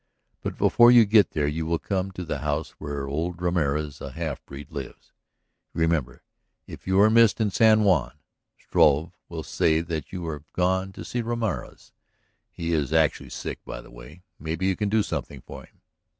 But before you get there you will come to the house where old Ramorez, a half breed, lives. You remember; if you are missed in San Juan, Struve will say that you have gone to see Ramorez. He is actually sick by the way; maybe you can do something for him.